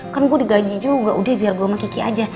kan gue digaji juga udah biar gue sama kiki aja